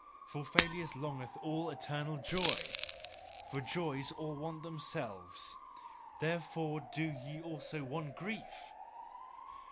For failures, longeth all eternal joy. For joys all want themselves, therefore do they also want grief!